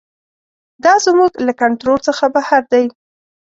دا زموږ له کنټرول څخه بهر دی.